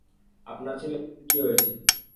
আপনার ছেলের কি হয়েছে?